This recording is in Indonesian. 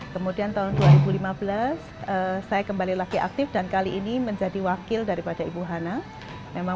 kemudian tahun dua ribu lima belas saya kembali lagi aktif dan kali ini menjadi wakil daripada ibu hana memang